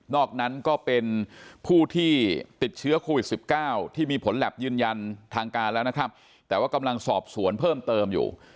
นั้นก็เป็นผู้ที่ติดเชื้อโควิด๑๙ที่มีผลแล็บยืนยันทางการแล้วนะครับแต่ว่ากำลังสอบสวนเพิ่มเติมอยู่